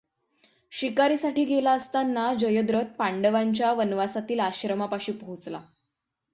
शिकारीसाठी गेला असताना जयद्रथ पांडवांच्या वनवासातील आश्रमापाशी पोहोचला.